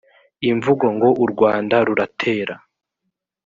imvugo ngo u rwanda ruratera